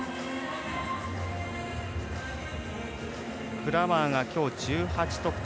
クラーマーがきょう１８得点。